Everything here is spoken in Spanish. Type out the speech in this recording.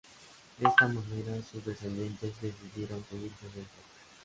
De esta manera, sus descendientes decidieron seguir su ejemplo.